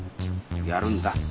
やるんだ。